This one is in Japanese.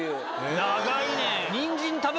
長いね。